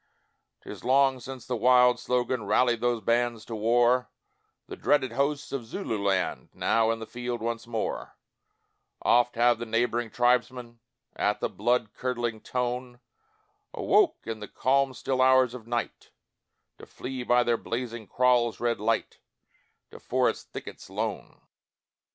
'Tis long since that wild slogan Rallied these bands to war, The dreaded hosts of Zululand Now in the field once more; Oft have the neighbouring tribesmen, At the blood curdling tone, Awoke in the calm still hours of night, To flee by their blazing kraals' red light, To forest thickets lone.